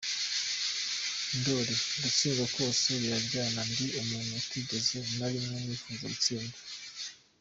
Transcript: Ndoli: Gutsindwa kose biraryana, ndi umuntu utarigeze na rimwe nifuza gutsindwa.